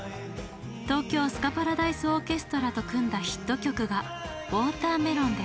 東京スカパラダイスオーケストラと組んだヒット曲が「Ｗａｔｅｒｍｅｌｏｎ」です。